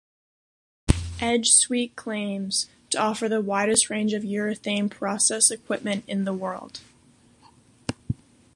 Edge-Sweets claims to offer the widest range of urethane process equipment in the world.